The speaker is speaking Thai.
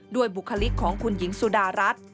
บุคลิกของคุณหญิงสุดารัฐ